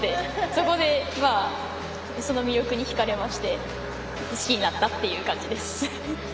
そこでその魅力にひかれまして好きになったという感じです。